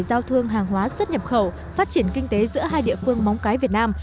giao thương hàng hóa xuất nhập khẩu phát triển kinh tế giữa hai địa phương móng cái việt nam